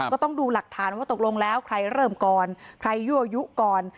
ก็ต้องดูหลักฐานว่าตกลงแล้วใครเริ่มก่อนใครยั่วยุก่อน